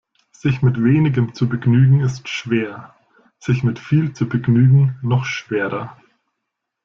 Sich mit wenigem zu begnügen, ist schwer, sich mit viel zu begnügen, noch schwerer.